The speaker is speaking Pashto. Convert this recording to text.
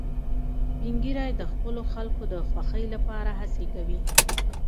سپین ږیری د خپلو خلکو د خوښۍ لپاره هڅې کوي